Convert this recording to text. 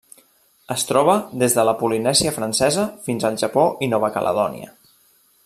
Es troba des de la Polinèsia Francesa fins al Japó i Nova Caledònia.